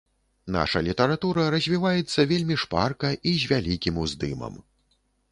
Наша літаратура развіваецца вельмі шпарка і з вялікім уздымам.